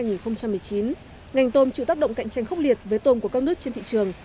ngành tôm chịu tác động cạnh tranh khốc liệt với tôm của các nước trên thị trường